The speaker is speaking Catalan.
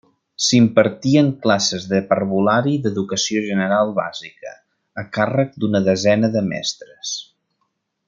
S'impartien classes de parvulari i d'educació general bàsica, a càrrec d'una desena de mestres.